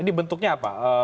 ini bentuknya apa